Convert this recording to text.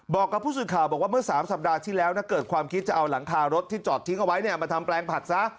บอกกับผู้สื่อข่าวบอกว่าเมื่อ๓สัปดาห์ที่แล้วนะเกิดความคิดจะเอาหลังคารถที่จอดทิ้งเอาไว้เนี่ยมาทำแปลงผักซะ